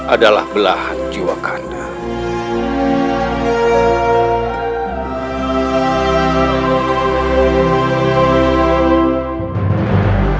adalah belahan jiwa kak kanda